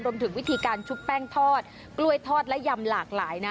รวมถึงวิธีการชุบแป้งทอดกล้วยทอดและยำหลากหลายนะ